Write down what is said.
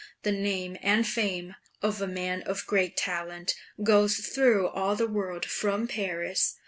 The name and fame of a man of great talent goes through all the world from Paris."